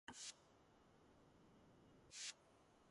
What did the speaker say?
პროვინციას ჩრდილოეთიდან ესაზღვრება მარმარილოს ზღვა.